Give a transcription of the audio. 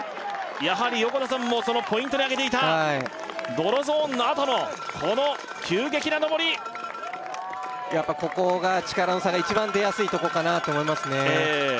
やはり横田さんもポイントに挙げていた泥ゾーンのあとのこの急激な上りやっぱここが力の差が一番出やすいとこかなと思いますね